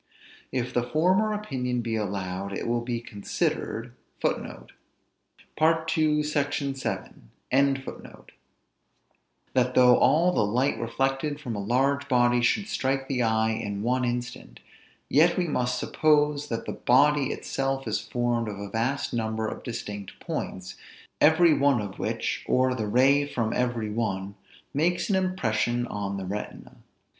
If the former opinion be allowed, it will be considered, that though all the light reflected from a large body should strike the eye in one instant; yet we must suppose that the body itself is formed of a vast number of distinct points, every one of which, or the ray from every one, makes an impression on the retina.